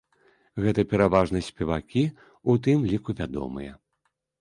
Гэта пераважна спевакі, у тым ліку вядомыя.